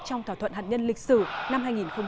trong thỏa thuận hạt nhân lịch sử năm hai nghìn một mươi năm